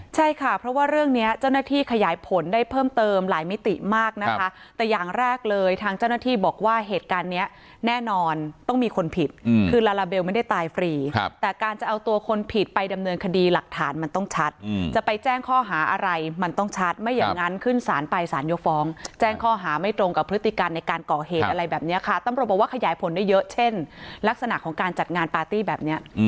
ใช่ค่ะเพราะว่าเรื่องนี้เจ้าหน้าที่ขยายผลได้เพิ่มเติมหลายมิติมากนะคะแต่อย่างแรกเลยทางเจ้าหน้าที่บอกว่าเหตุการณ์เนี่ยแน่นอนต้องมีคนผิดคือลาลาเบลไม่ได้ตายฟรีแต่การจะเอาตัวคนผิดไปดำเนินคดีหลักฐานมันต้องชัดจะไปแจ้งข้อหาอะไรมันต้องชัดไม่อย่างงั้นขึ้นสารไปสารยกฟองแจ้งข้อหาไม่ตรงกับ